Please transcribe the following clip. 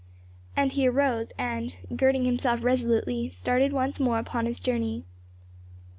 And he arose and girding himself resolutely, started once more upon his journey.